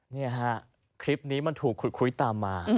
นี่ฮะคลิปนี้มันถูกขุดคุยตามมา